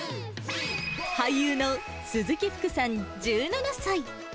俳優の鈴木福さん１７歳。